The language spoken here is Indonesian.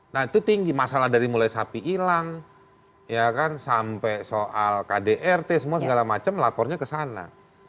nah itu tinggi masalah dari mulai sapi hilang ya kan sampai soal kdrt semua segala macem lapornya kesana